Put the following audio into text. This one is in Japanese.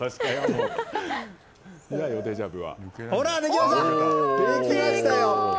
ほら、できましたよ！